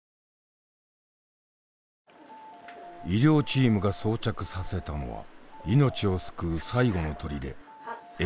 医療チームが装着させたのは命を救う最後のとりでＥＣＭＯ。